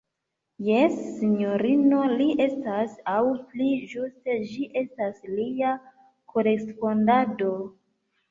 Jes, sinjorino, li estas; aŭ pli ĝuste, ĝi estas lia korespondado.